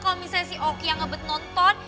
kalau misalnya si oki yang ngebet nonton